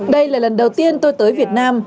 đây là lần đầu tiên tôi tới việt nam